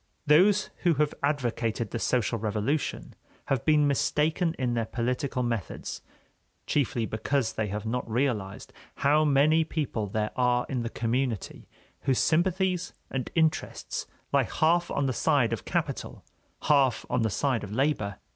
Those who have advocated the social revolution have been mistaken in their political methods, chiefly because they have not realized how many people there are in the community whose sympathies and interests lie half on the side of capital, half on the side of labor.